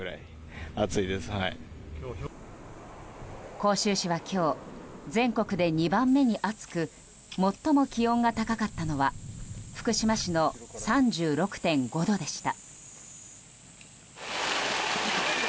甲州市は今日全国で２番目に暑く最も気温が高かったのは福島市の３６．５度でした。